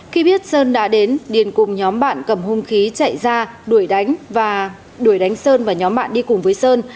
khi biết sơn đã đến điền cùng nhóm bạn cầm hung khí chạy ra đuổi đánh sơn và nhóm bạn đi cùng với sơn